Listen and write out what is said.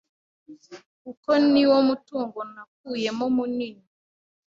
kuko ni wo mutungo nakuyemo munini,